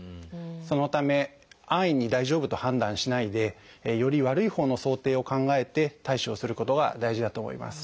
そのため安易に大丈夫と判断しないでより悪いほうの想定を考えて対処をすることが大事だと思います。